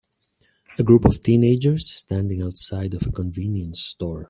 a group of teenagers standing outside of a convienance store.